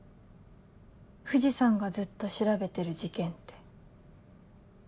藤さんがずっと調べてる事件って。